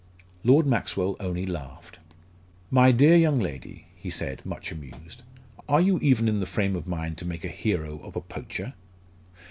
Lord Maxwell only laughed. "My dear young lady," he said, much amused, "are you even in the frame of mind to make a hero of a poacher?